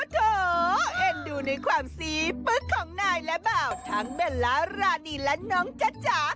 โถเอ็นดูในความซีปึ๊กของนายและบ่าวทั้งเบลล่ารานีและน้องจ๊ะจ๋า